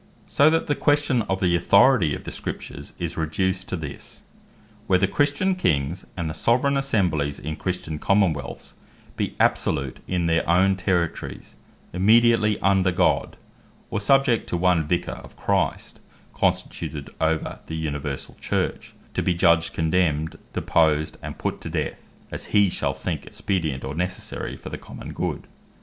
So that the question of the Authority of the Scriptures is reduced to this, "Whether Christian Kings, and the Soveraigne Assemblies in Christian Common wealths, be absolute in their own Territories, immediately under God; or subject to one Vicar of Christ, constituted over the Universall Church; to bee judged, condemned, deposed, and put to death, as hee shall think expedient, or necessary for the common good."